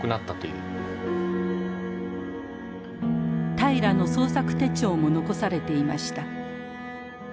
平良の創作手帳も残されていました。